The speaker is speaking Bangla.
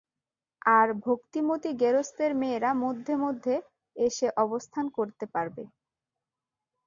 আর ভক্তিমতী গেরস্তের মেয়েরা মধ্যে মধ্যে এসে অবস্থান করতে পাবে।